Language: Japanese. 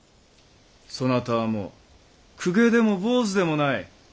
そなたはもう公家でも坊主でもない。